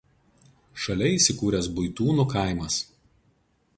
Šalia įsikūręs Buitūnų kaimas.